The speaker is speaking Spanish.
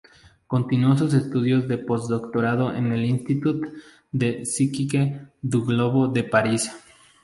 Continuó sus estudio de post-doctorado en el Institut de Physique du Globo de París.